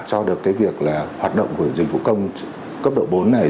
cho được cái việc là hoạt động của dịch vụ công cấp độ bốn này